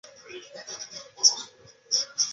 短鳍虫鳗为蠕鳗科虫鳗属的鱼类。